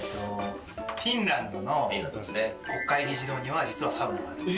フィンランドの国会議事堂には実はサウナがあるんです。